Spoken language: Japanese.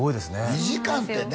２時間ってね